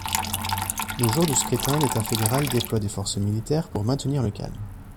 Le jour du scrutin l'état fédéral déploie des forces militaires pour maintenir le calme.